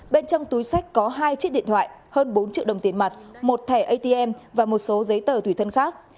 bên trong túi sách có hai chiếc điện thoại hơn bốn triệu đồng tiền mặt một thẻ atm và một số giấy tờ tùy thân khác